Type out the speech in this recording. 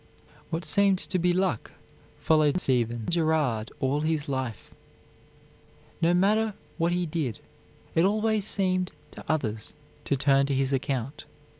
What seemed to be luck followed Stephen Girard all his life. No matter what he did, it always seemed to others to turn to his account.